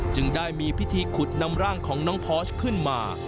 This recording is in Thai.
จึงได้มีพิธีขุดนำร่างของน้องพอร์ชขึ้นมา